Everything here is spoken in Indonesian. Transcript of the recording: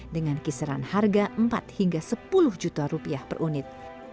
dengan kisaran harga empat hingga sepuluh juta rupiah per unit